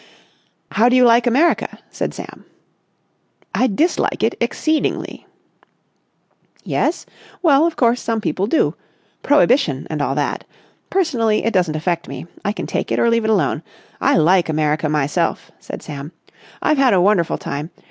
"How do you like America?" said Sam. "I dislike it exceedingly." "Yes? Well, of course, some people do. Prohibition and all that. Personally, it doesn't affect me. I can take it or leave it alone. I like America myself," said Sam. "I've had a wonderful time.